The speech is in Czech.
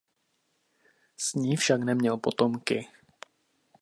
S ní však neměl potomky.